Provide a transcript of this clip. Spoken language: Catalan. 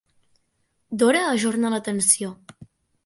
Dora ajorna la tensió.